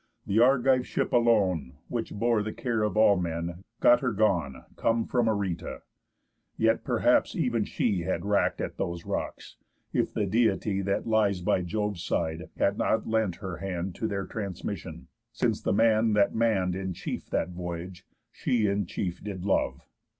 Th' Argive ship alone, Which bore the care of all men, got her gone, Come from Areta. Yet perhaps ev'n she Had wrack'd at those rocks, if the Deity, That lies by Jove's side, had not lent her hand To their transmission; since the man, that mann'd In chief that voyage, she in chief did love.